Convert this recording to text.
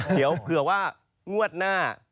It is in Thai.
เดี๋ยวเผื่อว่างวดหน้า